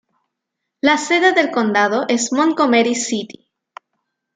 La sede del condado es Montgomery City.